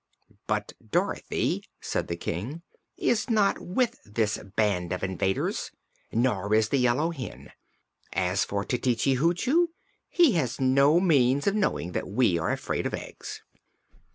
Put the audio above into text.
"But Dorothy," said the King, "is not with this band of invaders; nor is the Yellow Hen. As for Tititi Hoochoo, he has no means of knowing that we are afraid of eggs."